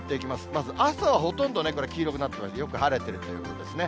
まず朝はほとんどね、これ、黄色くなってまして、よく晴れてるということですね。